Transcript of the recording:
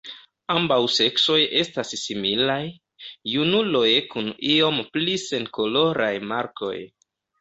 Ambaŭ seksoj estas similaj; junuloj kun iom pli senkoloraj markoj.